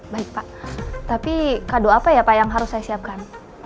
baik pak tapi kado apa ya pak yang harus saya siapkan